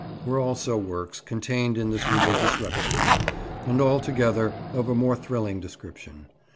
were also works contained in this religious repertoire, and altogether of a more thrilling description.